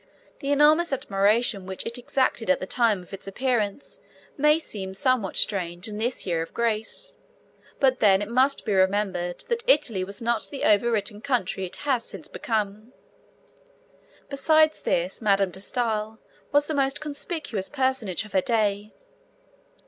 The enormous admiration which it exacted at the time of its appearance may seem somewhat strange in this year of grace; but then it must be remembered that Italy was not the over written country it has since become. Besides this, Madame de Stael was the most conspicuous personage of her day.